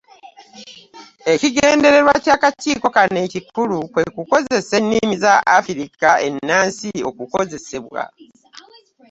Ekigendererwa ky'akakiiko kano ekikulu kwe kusobozesa ennimi za Afrika ennansi okukozesebwa.